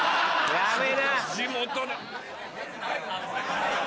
・やめな。